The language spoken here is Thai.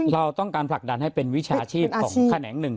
เราต้องการผลักดันให้เป็นวิชาชีพของแขนงหนึ่ง